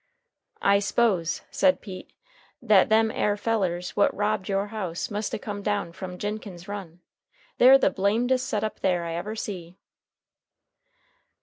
"I s'pose," said Pete, "that them air fellers what robbed your house must a come down from Jinkins Run. They're the blamedest set up there I ever see."